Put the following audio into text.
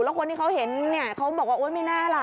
แล้วคนที่เขาเห็นเขาบอกว่าไม่แน่ล่ะ